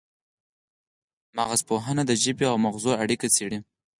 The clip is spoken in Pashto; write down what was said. مغزژبپوهنه د ژبې او مغزو اړیکې څیړي